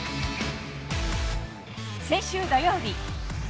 先週土曜日。